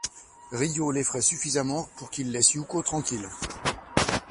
Ryô l'effraie suffisamment pour qu'il laisse Yûko tranquille.